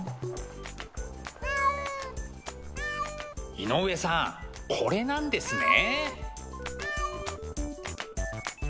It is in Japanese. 井上さんこれなんですね。